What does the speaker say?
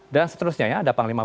dan seterusnya ya ada pondok indah